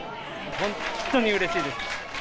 本当にうれしいです。